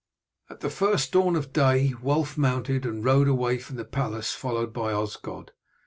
At the first dawn of day Wulf mounted, and rode away from the palace followed by Osgod.